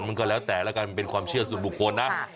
มันก็แล้วแต่ละกันมันเป็นความเชื่อส่วนบุคคลนะ